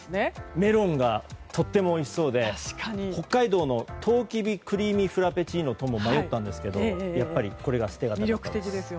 メロンがとてもおいしそうで北海道の、とうきびクリーミーフラペチーノとも迷ったんですが、やっぱりこれが捨てがたかったです。